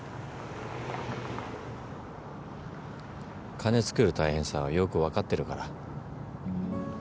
金作る大変さはよくわかってるから。